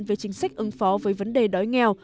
về chính sách ứng phó với vấn đề đói nghèo